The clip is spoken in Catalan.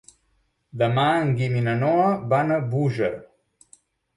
Demà en Guim i na Noa van a Búger.